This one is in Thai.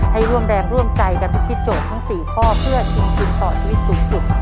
ให้ร่วมแรงร่วมใจกับพระชิตโจทย์ทั้งสี่ข้อกลยงบินต่อชีวิตสูงจุด